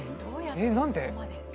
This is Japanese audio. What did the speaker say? えっ何で？